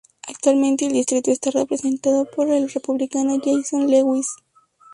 Actualmente el distrito está representado por el Republicano Jason Lewis.